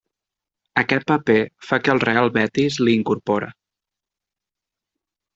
Aquest paper fa que el Real Betis l'hi incorpore.